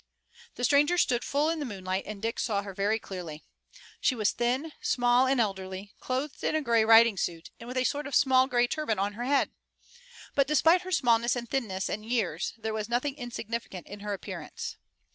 The stranger stood full in the moonlight, and Dick saw her very clearly. She was thin, small and elderly, clothed in a gray riding suit, and with a sort of small gray turban on her head. But despite her smallness and thinness and years there was nothing insignificant in her appearance.